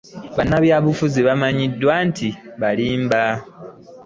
Bannabyabufuzi bamanyiddwa nti balimba.